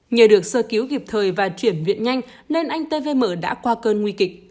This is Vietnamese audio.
nhờ được sơ cứu kịp thời và chuyển viện nhanh nên anh t v m đã qua cơn nguy kịch